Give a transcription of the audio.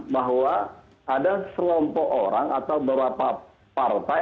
bahwa ada kelompok orang atau beberapa partai